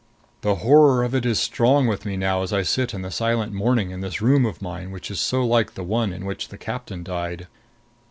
The horror of it is strong with me now as I sit in the silent morning in this room of mine which is so like the one in which the captain died.